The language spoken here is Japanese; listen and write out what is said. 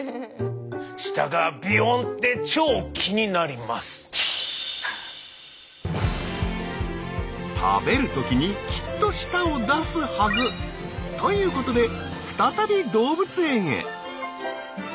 舌がびよんって超食べるときにきっと舌を出すはず。ということで再び動物園へ。